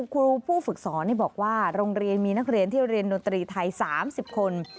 ครูผู้ฝึกสอนบอกว่าโรงเรียนมีนักเรียนที่เรียนดนตรีไทย๓๐คน